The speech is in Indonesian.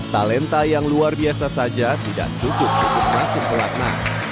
talenta yang luar biasa saja tidak cukup untuk masuk pelatnas